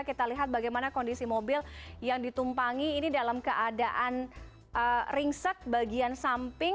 kita lihat bagaimana kondisi mobil yang ditumpangi ini dalam keadaan ringsek bagian samping